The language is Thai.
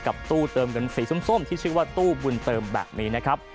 ตู้เติมเงินสีส้มที่ชื่อว่าตู้บุญเติมแบบนี้นะครับ